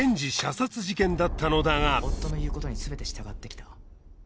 夫の言う事に全て従ってきた。